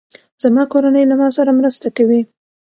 زما کورنۍ له ما سره مرسته کوي.